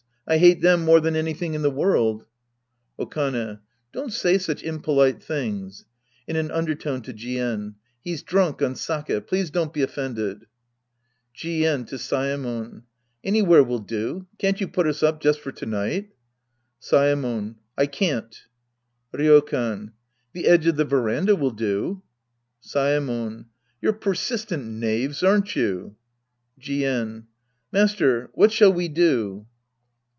I hate them more than anything in the world. Okane. Don't say such impolite things. (/« an igidertone to Jien.) He's drunk on sake. Please don't be offended. Jien {to Saemon). Anywhere will do. Can't you put us up just for to night ? Saemon. I can't. Ryokan. The edge of the veranda will do. Saemon. You're persistent knaves, aren't you ? Jien. Master, what shall we do